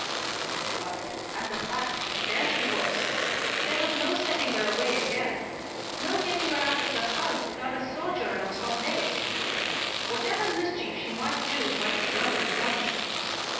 But, as a fact, there she was. There was no sending her away again; no getting her out of the house without a sojourn of some days. Whatever mischief she might do might be done at once.